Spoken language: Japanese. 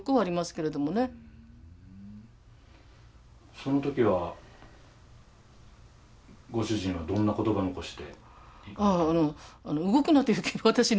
その時はご主人はどんな言葉残して？